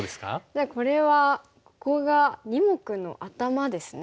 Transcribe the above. じゃあこれはここが２目の頭ですね。